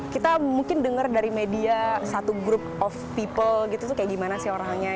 kita mungkin dengar dari media satu grup of people gitu tuh kayak gimana sih orangnya